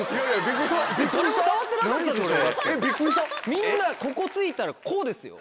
みんなここ着いたらこうですよ。